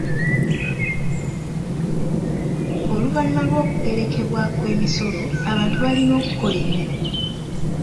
Oluvannyuma lw’okugerekebwa kw’emisolo, abantu balina okukola ennyo.